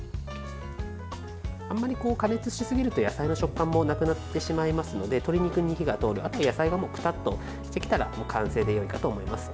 あまり加熱しすぎると野菜の食感もなくなってしまいますので鶏肉に火が通り野菜がくたっとしてきたら完成でよいかと思います。